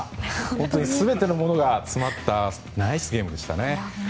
本当に全てのものが詰まったナイスゲームでしたね。